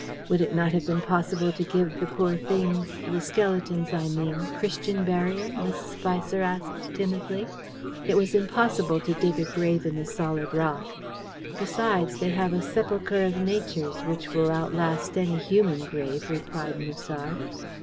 "Would it not have been possible to give the poor things the skeletons, I mean Christian burial?" Mrs. Spicer asked timidly. "It was impossible to dig a grave in the solid rock. Besides, they have a sepulchre of Nature's which will outlast any human grave," replied Musard.